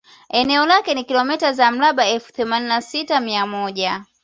Eneo lake ni kilometa za mraba elfu themanini na sita mia moja